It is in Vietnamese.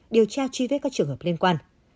điều tra truy vết các trường hợp liên quan